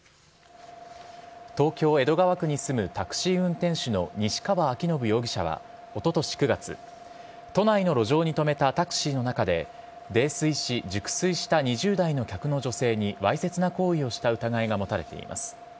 東京・江戸川区に住むタクシー運転手の西川明伸容疑者はおととし９月都内の路上に止めたタクシーの中で泥酔し、熟睡した２０代の客の女性にわいせつな行為をした疑いが持たれています。